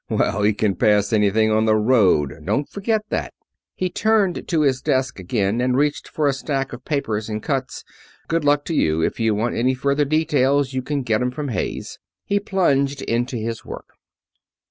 Well, he can pass everything on the road. Don't forget that." He turned to his desk again and reached for a stack of papers and cuts. "Good luck to you. If you want any further details you can get 'em from Hayes." He plunged into his work.